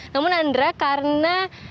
namun andra karena